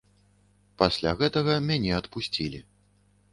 Пасля гэтага мяне адпусцілі.